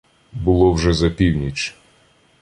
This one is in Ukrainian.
Було вже за північ.